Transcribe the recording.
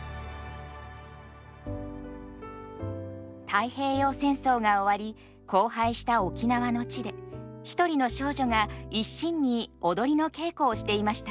太平洋戦争が終わり荒廃した沖縄の地で一人の少女が一心に踊りの稽古をしていました。